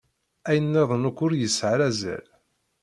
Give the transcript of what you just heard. Ayen nniḍen akk ur yesɛi ara azal.